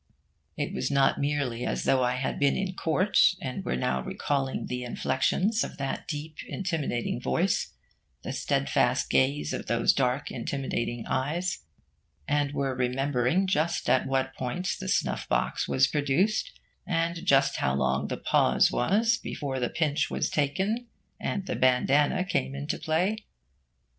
It was not merely as though I had been in court, and were now recalling the inflections of that deep, intimidating voice, the steadfast gaze of those dark, intimidating eyes, and were remembering just at what points the snuff box was produced, and just how long the pause was before the pinch was taken and the bandana came into play.